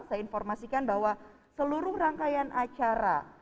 saya informasikan bahwa seluruh rangkaian acara